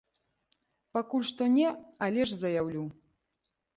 Пакуль што не, але ж заяўлю.